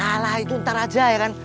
kalah itu ntar aja ya kan